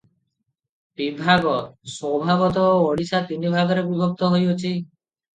ବିଭାଗ - ସ୍ୱଭାବତଃ ଓଡ଼ିଶା ତିନି ଭାଗରେ ବିଭକ୍ତ ହୋଇଅଛି ।